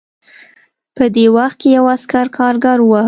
په دې وخت کې یو عسکر کارګر وواهه